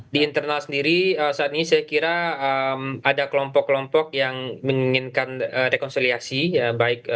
di internal sendiri saat ini saya kira ada kelompok kelompok yang menginginkan rekonsiliasi ya baik